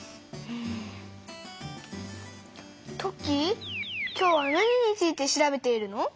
トッキー今日は何について調べているの？